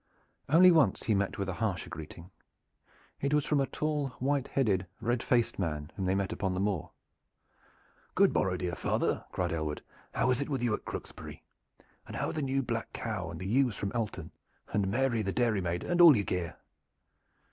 Once only he met with a harsher greeting. It was from a tall, white headed, red faced man whom they met upon the moor. "Good morrow, dear father!" cried Aylward. "How is it with you at Crooksbury? And how are the new black cow and the ewes from Alton and Mary the dairymaid and all your gear?"